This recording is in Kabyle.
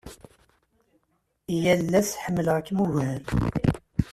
Yal ass ḥemmleɣ-kem ugar.